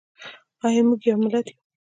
ایا موږ یو ملت یو؟